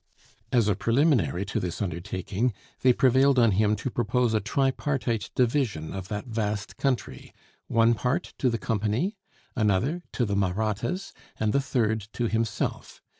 As a preliminary to this undertaking, they prevailed on him to propose a tripartite division of that vast country one part to the company; another to the Mahrattas; and the third to himself.